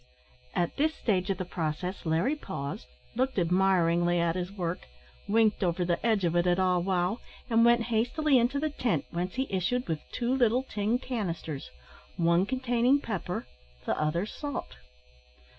At this stage of the process Larry paused, looked admiringly at his work, winked over the edge of it at Ah wow, and went hastily into the tent, whence he issued with two little tin canisters, one containing pepper, the other salt.